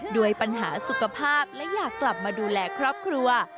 ด้วยปัญหาสุขภาพและอยากกลับมาดูแลครอบครัว